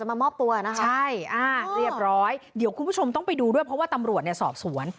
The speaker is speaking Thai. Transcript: มามอบตัวนะคะใช่อ่าเรียบร้อยเดี๋ยวคุณผู้ชมต้องไปดูด้วยเพราะว่าตำรวจเนี่ยสอบสวน